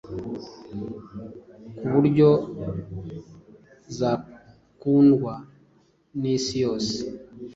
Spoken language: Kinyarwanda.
kuburyo zakundwa nisi yose